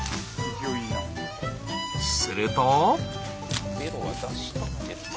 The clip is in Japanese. すると。